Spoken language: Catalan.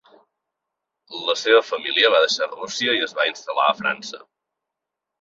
La seva família va deixar Rússia i es va instal·lar a França.